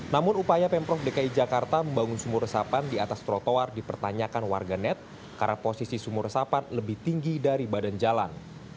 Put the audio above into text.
namun upaya pemprov dki jakarta membangun sumur resapan di atas trotoar dipertanyakan warganet karena posisi sumur resapan lebih tinggi dari badan jalan